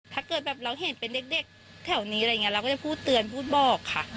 ถ้าเกิดแบบเราเห็นเป็นเด็กแถวนี้อะไรอย่างนี้เราก็จะพูดเตือนพูดบอกค่ะ